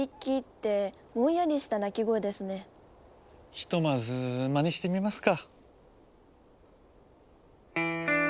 ひとまずまねしてみますか。